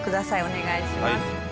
お願いします。